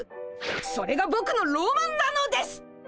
それがぼくのロマンなのです！